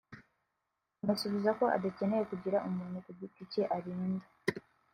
amusubiza ko adakeneye kugira umuntu ku giti cye arinda